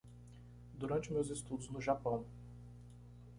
Durante meus estudos no Japão